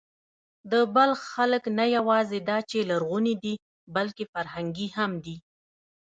د بلخ خلک نه یواځې دا چې لرغوني دي، بلکې فرهنګي هم دي.